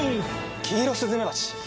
キイロスズメバチ。